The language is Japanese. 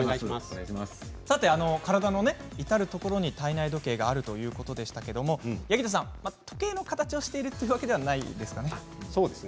体の至る所に体内時計があるということでしたけれど八木田さん、時計の形をしているわけじゃないんですよね。